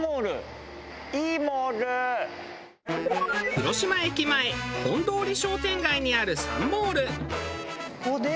広島駅前本通商店街にあるサンモール。